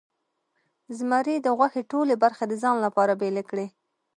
زمري د غوښې ټولې برخې د ځان لپاره بیلې کړې.